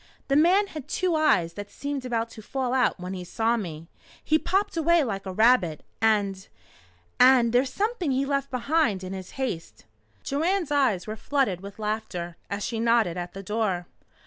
The man had two eyes that seemed about to fall out when he saw me. He popped away like a rabbit and and there's something he left behind in his haste!" Joanne's eyes were flooded with laughter as she nodded at the door.